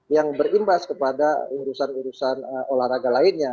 yang berimbas kepada urusan urusan olahraga lainnya